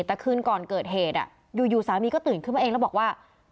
แต่คืนก่อนเกิดเหตุอยู่สามีก็ตื่นขึ้นมาเองแล้วบอกว่า